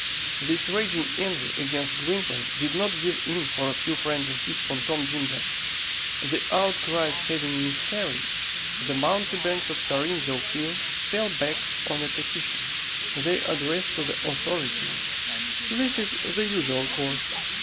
This raging envy against Gwynplaine did not give in for a few friendly hits from Tom Jim Jack. The outcries having miscarried, the mountebanks of Tarrinzeau Field fell back on a petition. They addressed to the authorities. This is the usual course.